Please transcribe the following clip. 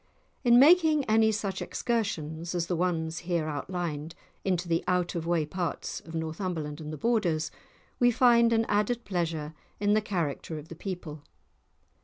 In making any such excursions as the ones here outlined, into the out of the way parts of Northumberland and the Borders, we find an added pleasure in the character of the people.